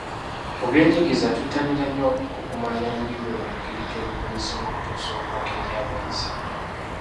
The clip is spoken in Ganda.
Mu byenjigiriza twettanira nnyo okumanya Lulimi lwa ngeri ki olukozesebwa okutuusa obubaka eri abayizi.